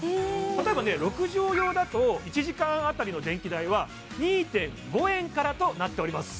例えばね６畳用だと１時間あたりの電気代は２．５円からとなっております